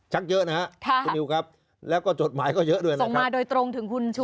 เยอะนะฮะคุณนิวครับแล้วก็จดหมายก็เยอะด้วยนะครับส่งมาโดยตรงถึงคุณชู